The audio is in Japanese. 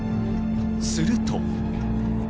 すると。